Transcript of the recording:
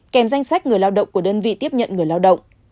kèm danh sách người lao động của đơn vị tiếp nhận người lao động